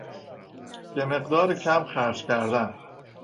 به مقدار کم خرج کردن